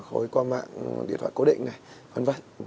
khối qua mạng điện thoại cố định này